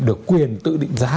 được quyền tự định giá